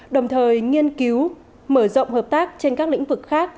đồng thời nghiên cứu mở rộng hợp tác trên các lĩnh vực khác